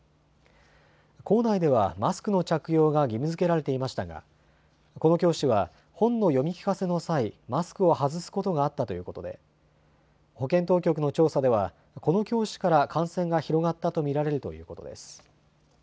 校内ではマスクの着用が義務づけられていましたがこの教師は本の読み聞かせの際、マスクを外すことがあったということで保健当局の調査ではこの教師から感染が広がったと見られるということです。